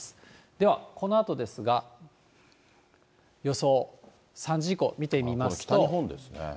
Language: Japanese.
では、このあとですが、予想、これ、北日本ですね。